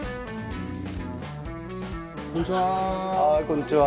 こんにちは。